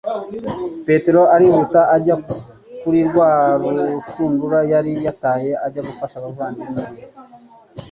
Petero arihuta ajya kuri rwa rushundura yari yataye ajya gufasha abavandimwe be